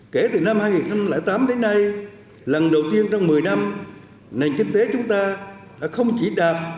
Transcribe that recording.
kể từ năm hai nghìn tám đến nay lần đầu tiên trong một mươi năm nền kinh tế chúng ta đã không chỉ đạt